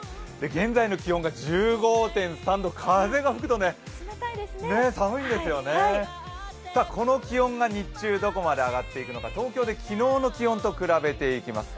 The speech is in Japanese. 現在の気温が１５．３度、風が吹くと寒いんですよね、この気温が日中どこまで上がっていくのか東京で昨日の気温と比べていきます。